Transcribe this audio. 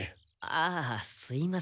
あすいません。